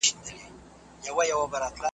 دازغــــمل د قهــــــرخــــط ستا دامــــــان دئ